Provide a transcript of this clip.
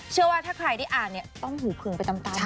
เชื่อว่าถ้าใครได้อ่านเนี่ยต้องหูพึงไปตาม